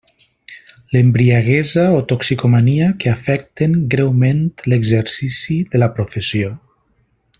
L'embriaguesa o toxicomania que afecten greument l'exercici de la professió.